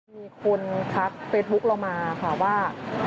มีคนทักเฟซบุ๊คเรามาค่ะว่า